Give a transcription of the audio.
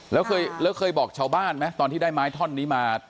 แล้วเคยบอกชาวบ้านไหมตอนที่ได้ไม้ท่อนนี้มา